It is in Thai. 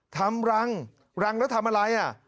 ทำรังรังแล้วทำอะไร